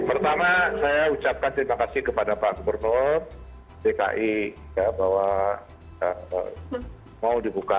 pertama saya ucapkan terima kasih kepada pak gubernur dki bahwa mau dibuka